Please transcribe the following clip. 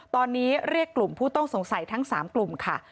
ตอนนี้เรียกกลุ่มผู้ต้องสงสัยทั้ง๓กลุ่มค่ะ